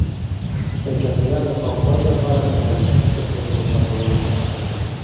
د چاپیریال د پاکوالي لپاره د پلاستیکي کڅوړو کارول کم کړئ.